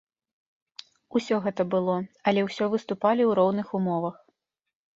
Усё гэта было, але ўсё выступалі ў роўных умовах.